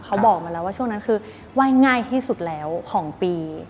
เขาบอกมาแล้วว่าช่วงนั้นคือไหว้ง่ายที่สุดแล้วของปี